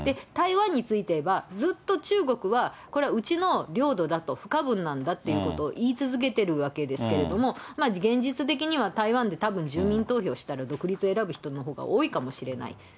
台湾については、ずっと中国は、これはうちの領土だと、不可分なんだということを言い続けてるわけですけれども、現実的には台湾でたぶん住民投票したら、独立選ぶ人のほうが多いかもしれない。